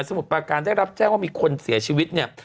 มุดประการได้รับแจ้งว่ามีคนเสียชีวิตเนี่ย